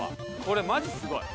これマジすごい。